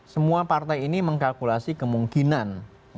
semua partai ini mengkalkulasi kemungkinan